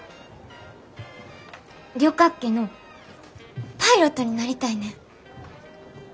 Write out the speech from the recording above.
旅客機のパイロットになりたいねん。